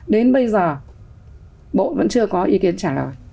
đến bây giờ bộ vẫn chưa có ý kiến trả lời